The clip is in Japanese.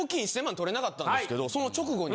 とれなかったんですけどその直後に。